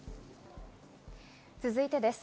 続いてです。